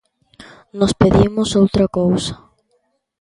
Nós pedimos outra cousa.